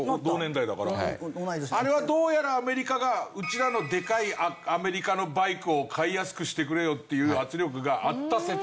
あれはどうやらアメリカがうちらのでかいアメリカのバイクを買いやすくしてくれよっていう圧力があった説があって。